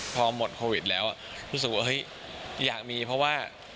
พอหมดโควิดแล้วรู้สึกว่าเฮ้ยอยากมีเพราะว่า